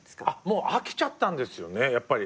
もう飽きちゃったんですよね。